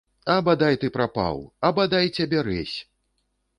А бадай ты прапаў, а бадай цябе рэзь!